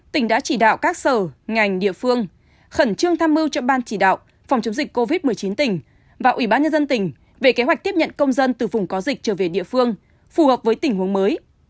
tỉnh đã chỉ đạo các sở ngành địa phương khẩn trương tham mưu cho ban chỉ đạo phòng chống dịch covid một mươi chín tỉnh và ủy ban nhân dân tỉnh về kế hoạch tiếp nhận công dân từ vùng có dịch trở về địa phương phù hợp với tình huống mới